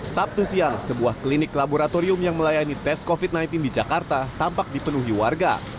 sabtu siang sebuah klinik laboratorium yang melayani tes covid sembilan belas di jakarta tampak dipenuhi warga